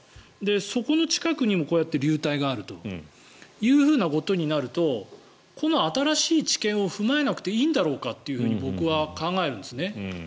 そこの近くにもこうやって流体があるとなるとこの新しい知見を踏まえなくていいんだろうかと僕は考えるんですね。